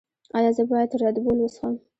ایا زه باید ردبول وڅښم؟